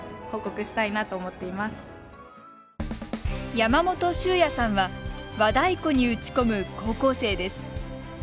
山本脩矢さんは和太鼓に打ち込む高校生です。